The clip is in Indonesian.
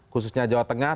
khususnya jawa tengah